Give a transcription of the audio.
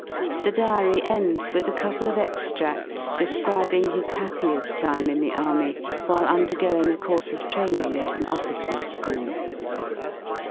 The diary ends with a couple of extrads describing hi'S happieft time in the army, while undergoing a course of training at an officers^ school.